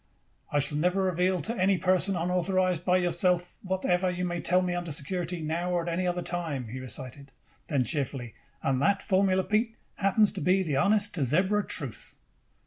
"I shall never reveal to any person unauthorized by yourself whatever you may tell me under security, now or at any other time," he recited. Then, cheerfully: "And that formula, Pete, happens to be the honest to zebra truth."